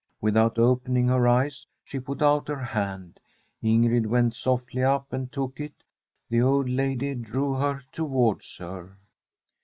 Without open ing her eyes, she put out her hand. Ingrid went softly up and took it; the old lady drew her towards her.